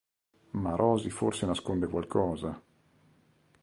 Ma Rosy forse nasconde qualcosa.